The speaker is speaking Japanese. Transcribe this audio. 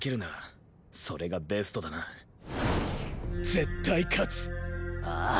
絶対勝つ！ああ！